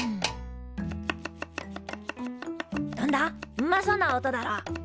うまそうな音だろ？